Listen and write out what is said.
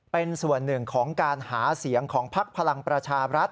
เป็นส่วนหนึ่งของการหาเสียงของพักพลังประชารัฐ